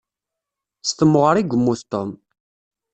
S temɣer i yemmut Tom.